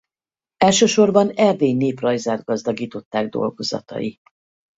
Elsősorban Erdély néprajzát gazdagították dolgozatai.